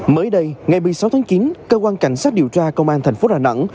mới đây ngày một mươi sáu tháng chín cơ quan cảnh sát điều tra công an thành phố đà nẵng